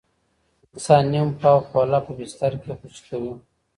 انسان نیم پاوه خوله په بستر کې خوشې کوي.